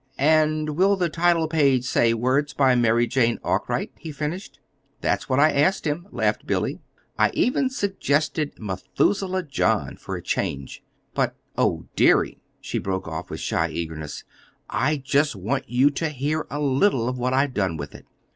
"And will the title page say, 'Words by Mary Jane Arkwright'?" he finished. "That's what I asked him," laughed Billy. "I even suggested 'Methuselah John' for a change. Oh, but, dearie," she broke off with shy eagerness, "I just want you to hear a little of what I've done with it.